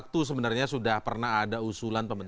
tidak perlu ada lagi